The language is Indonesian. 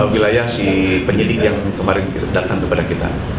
wilayah si penyidik yang kemarin datang kepada kita